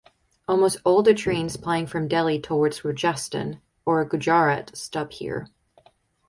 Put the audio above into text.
Almost all the trains plying from Delhi towards Rajasthan or Gujarat stop here.